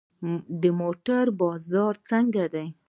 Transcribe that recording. د موټرو بازار څنګه دی؟